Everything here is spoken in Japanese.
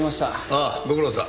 ああご苦労だった。